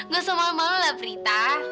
gue semangat banget lah prita